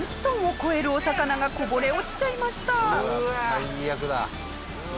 最悪だ。